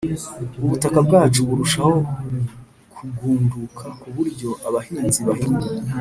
ubutaka bwacu burushaho kugunduka ku buryo abahinzi bahinga